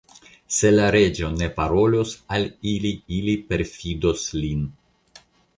Se la reĝo ne parolos al ili, ili perfidos lin.